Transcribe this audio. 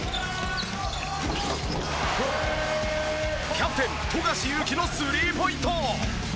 キャプテン富樫勇樹のスリーポイント。